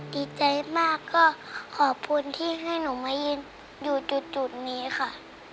ดีใจมากก็ขอบคุณที่ให้หนูมายืนอยู่จุดนี้ค่ะ